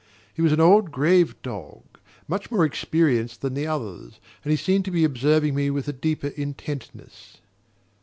He was an old grave dog, much more experienced than the others; and he seemed to be observing me with a deeper intentness.